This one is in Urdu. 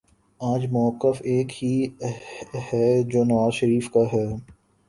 آج مؤقف ایک ہی ہے جو نواز شریف کا ہے